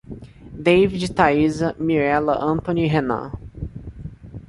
Deivide, Thaisa, Mirella, Antony e Renam